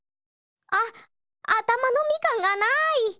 あっあたまのみかんがない！